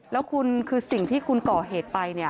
แล้วคุณคือสิ่งที่คุณก่อเหตุไปเนี่ย